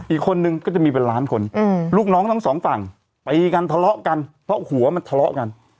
อีกคนนึงก็จะมีเป็นล้านคนลูกน้องทั้งสองฝั่งไปกันทะเลาะกันเพราะหัวมันทะเลาะกัน